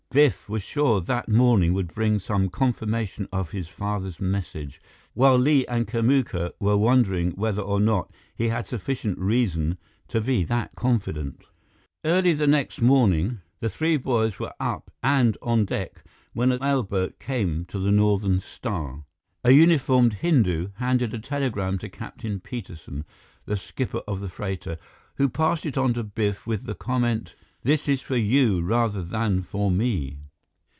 Biff was sure that morning would bring some confirmation of his father's message, while Li and Kamuka were wondering whether or not he had sufficient reason to be that confident. Early the next morning, the three boys were up and on deck when a mail boat came to the Northern Star. A uniformed Hindu handed a telegram to Captain Peterson, the skipper of the freighter, who passed it on to Biff with the comment: "This is for you rather than for me."